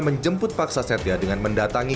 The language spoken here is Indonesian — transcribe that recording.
menjemput paksa setia dengan mendatangi